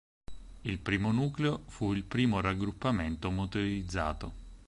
Il primo nucleo fu il Primo Raggruppamento Motorizzato.